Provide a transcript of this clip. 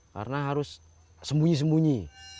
karena harus sembunyi sembunyi